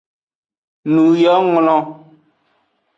Nuyonglo.